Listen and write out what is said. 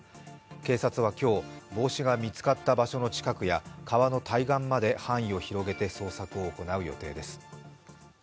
警察は今日、帽子が見つかった場所の近くや川の対岸まで更に範囲を広げて捜索を行う予定です。